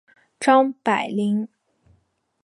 张百麟。